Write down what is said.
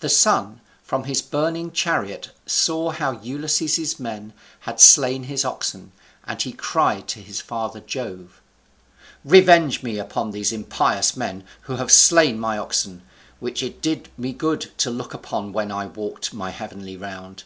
The Sun from his burning chariot saw how Ulysses's men had slain his oxen, and he cried to his father Jove, "Revenge me upon these impious men who have slain my oxen, which it did me good to look upon when I walked my heavenly round.